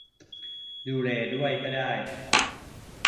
ดูเรย์ด้วยก็ได้